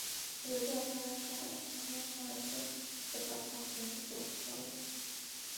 যদি আপনার সাহায্য করতে পারতাম, কিন্তু করতে পারব না।